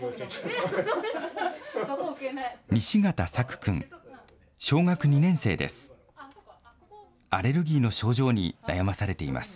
西形朔君、小学２年生です。